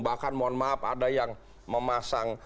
bahkan mohon maaf ada yang memasang